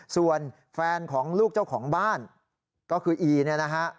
ส่วนแฟนของลูกเจ้าของบ้านก็คืออีเนี่ยนะฮะ